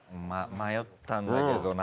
迷ったんだけどな。